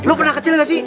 lu pernah kecil gak sih